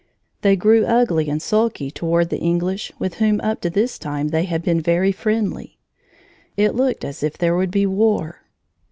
They grew ugly and sulky toward the English with whom up to this time they had been very friendly. It looked as if there would be war.